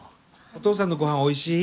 お父さんの御飯おいしい？